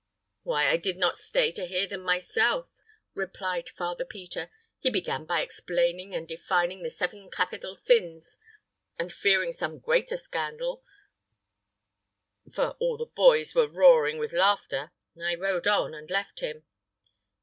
"Why, I did not stay to hear them myself," replied Father Peter. "He began by explaining and defining the seven capital sins; and fearing some greater scandal for all the boys were roaring with laughter I rode on and left him."